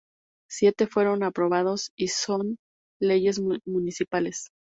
Siete fueron aprobados y son Leyes Municipales.